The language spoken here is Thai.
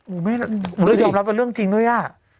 อุ้ยไม่รู้มึงพี่ยอมรับเป็นเรื่องจริงด้วยอ่ะ